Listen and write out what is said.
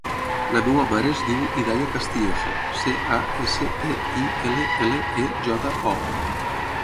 La meva mare es diu Hidaya Castillejo: ce, a, essa, te, i, ela, ela, e, jota, o.